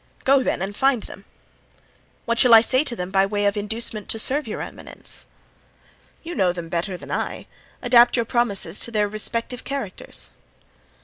"Go, then, and find them." "What shall I say to them by way of inducement to serve your eminence?" "You know them better than I. Adapt your promises to their respective characters."